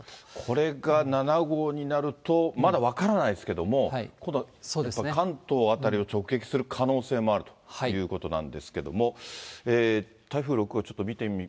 これが７号になると、まだ分からないですけれども、今度、関東辺りを直撃する可能性もあるということなんですけども、台風